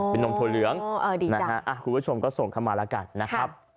เป็นนมถั่วเหลืองคุณผู้ชมก็ส่งเข้ามาแล้วกันนะครับ